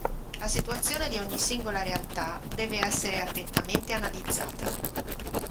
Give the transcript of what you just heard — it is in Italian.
La situazione di ogni singola realtà deve essere attentamente analizzata.